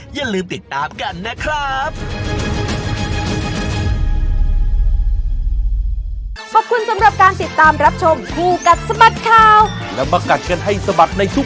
อย่าลืมติดตามกันนะครับ